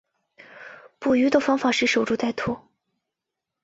捕鱼方法是守株待兔。